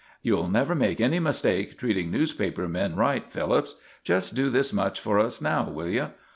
"You'll never make any mistake treating newspaper men right, Phillips. Just do this much for us now, will you?